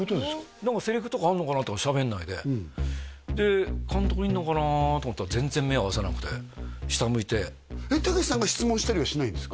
何かセリフとかあるのかと思ったらしゃべんないでで監督いるのかなと思ったら全然目合わさなくて下向いて武さんが質問したりはしないんですか？